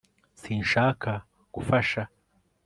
sinshaka gufasha